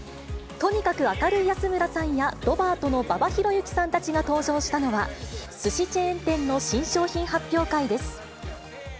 とにかく明るい安村さんや、ロバートの馬場裕之さんたちが登場したのは、すしチェーン店の新商品発表会です。